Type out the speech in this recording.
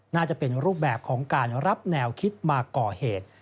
น่าจะเป็นรูปแบบของการรับแนวคิดมาก่อเหตุ